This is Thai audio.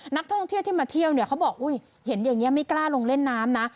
นักท่องเที่ยวที่มาเที่ยวเนี่ยเขาบอกอุ้ยเห็นอย่างนี้ไม่กล้าลงเล่นน้ำนะ